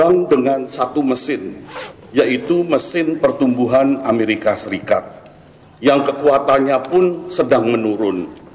yang dengan satu mesin yaitu mesin pertumbuhan amerika serikat yang kekuatannya pun sedang menurun